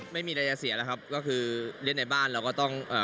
ไม่มีอะไรจะเสียแล้วครับก็คือเล่นในบ้านเราก็ต้องเอ่อ